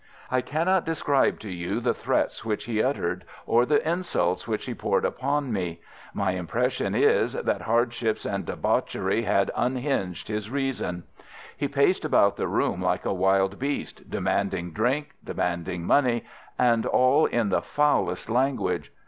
I cannot describe to you the threats which he uttered or the insults which he poured upon me. My impression is, that hardships and debauchery had unhinged his reason. He paced about the room like a wild beast, demanding drink, demanding money, and all in the foulest language.